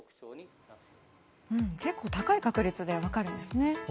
結構高い確率で分かるんですね。